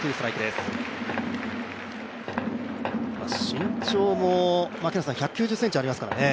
身長も１９０ｃｍありますからね。